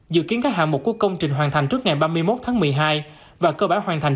dự kiến các hạng mục của công trình hoàn thành trước ngày ba mươi một tháng một mươi hai và cơ bản hoàn thành